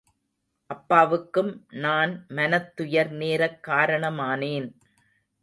அப்பாவுக்கும் நான் மனத்துயர் நேரக் காரணமானேன்.